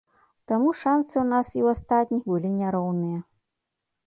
Таму шанцы ў нас і ў астатніх былі няроўныя.